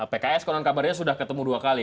pks konon kabarnya sudah ketemu dua kali